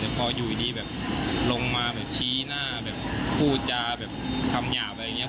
แต่พออยู่ดีแบบลงมาแบบชี้หน้าแบบพูดจาแบบคำหยาบอะไรอย่างนี้